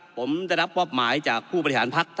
ผมได้รับมอบหมายจากผู้บริหารภักดิ์